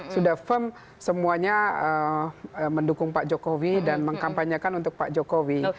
sudah firm semuanya mendukung pak jokowi dan mengkampanyekan untuk pak jokowi